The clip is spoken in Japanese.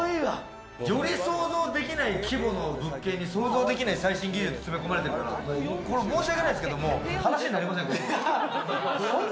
より想像できない規模の物件に想像できない最新技術が詰め込まれてるから申し訳ないけれど、話になりません。